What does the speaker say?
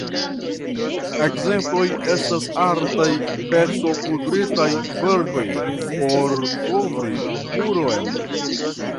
Ekzemploj estas artaj pecokudritaj verkoj por kovri muron.